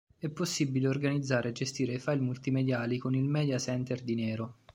È possibile organizzare e gestire i file multimediali con il media center di Nero.